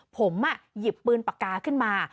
ผมหยิบปืนปากกาขึ้นมา